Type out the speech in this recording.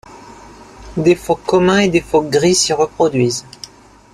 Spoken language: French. Des phoques communs et des phoques gris s'y reproduisent.